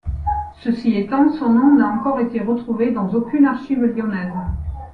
Ceci étant, son nom n’a encore été retrouvé dans aucune archive lyonnaise.